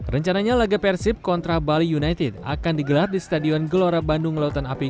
rencananya laga persib kontra bali united akan digelar di stadion gelora bandung lautan api